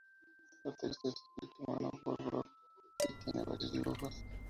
El texto está escrito a mano por Björk y tiene varios dibujos.